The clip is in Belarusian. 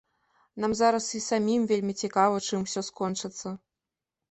Нам зараз і самім вельмі цікава, чым усё скончыцца.